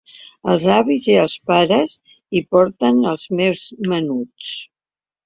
Els avis i els pares hi porten els més menuts.